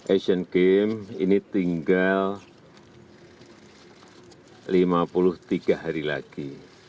asian games ini tinggal lima puluh tiga hari lagi